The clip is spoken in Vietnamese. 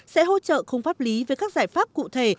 sẽ hỗ trợ không pháp lý với các giải pháp cụ thể